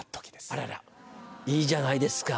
あららいいじゃないですか。